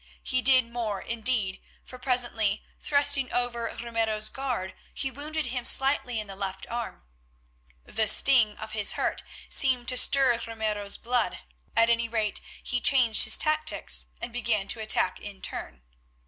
He did more indeed, for presently thrusting over Ramiro's guard, he wounded him slightly in the left arm. The sting of his hurt seemed to stir Ramiro's blood; at any rate he changed his tactics and began to attack in turn.